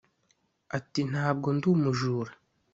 Ati “ntabwo ndi umujura